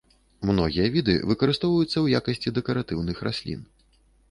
Многія віды выкарыстоўваюцца ў якасці дэкаратыўных раслін.